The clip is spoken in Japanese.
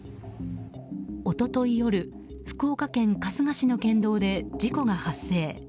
一昨日夜、福岡県春日市の県道で事故が発生。